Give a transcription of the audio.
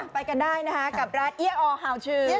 ไปกันได้กับร้านเอี๊ยะออร์เฮาชื้อ